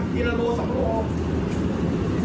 พี่เอามาเป็นสัตว์